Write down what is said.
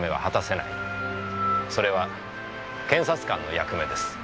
それは検察官の役目です。